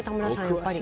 やっぱり。